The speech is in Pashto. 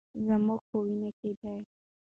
زموږ په وینه کې ده.